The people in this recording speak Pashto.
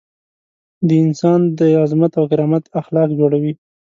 د انسان د عظمت او کرامت اخلاق جوړوي.